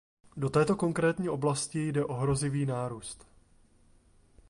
V této konkrétní oblasti jde o hrozivý nárůst.